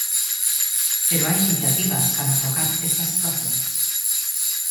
Pero hai iniciativas para trocar esta situación.